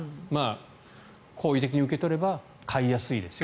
好意的に受け取れば買いやすいですよ